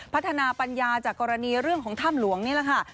พัฒนาปัญญาจากกรณีเรื่องของถ้ำหลวงนี่แหละค่ะ